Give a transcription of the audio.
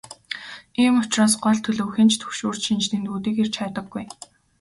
Ийм учраас гол төлөв хэн ч түгшүүрт шинж тэмдгүүдийг эрж хайдаггүй.